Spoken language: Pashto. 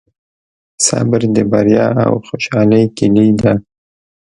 صبر د بریا او خوشحالۍ کیلي ده.